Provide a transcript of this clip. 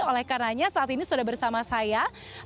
oleh karenanya saat ini sudah bersama saya